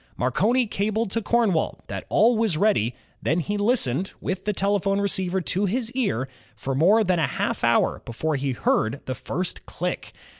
Marconi cabled to Cornwall that all was ready, then he listened, with the telephone receiver to his ear, for more than a half hour before he heard the first click.